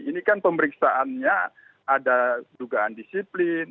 ini kan pemeriksaannya ada dugaan disiplin